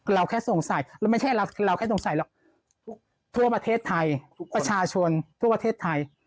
เราแค่สงสัยเราไม่ใช่เราแค่สงสัยหรอกทั่วประเทศไทยประชาชนทั่วประเทศไทย